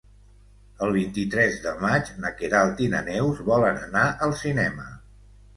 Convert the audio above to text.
El vint-i-tres de maig na Queralt i na Neus volen anar al cinema.